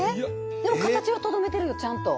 でも形はとどめてるよちゃんと。